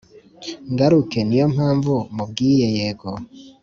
ngaruke niyompamvu mubwiye yego